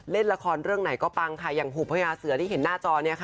เล่นละครเรื่องไหนก็ปังค่ะอย่างหุบพญาเสือที่เห็นหน้าจอเนี่ยค่ะ